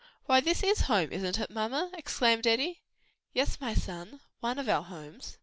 why this is home; isn't it, mamma?" exclaimed Eddie. "Yes, my son, one of our homes."